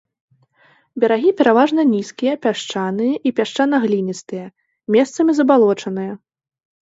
Берагі пераважна нізкія, пясчаныя і пясчана-гліністыя, месцамі забалочаныя.